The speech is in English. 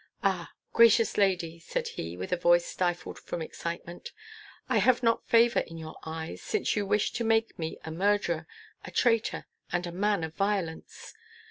"Ah, gracious lady," said he, with a voice stifled from excitement, "I have not favor in your eyes, since you wish to make me a murderer, a traitor, and a man of violence.